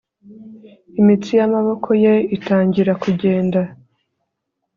Imitsi yamaboko ye itangira kugenda